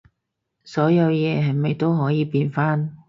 所有嘢係咪都可以變返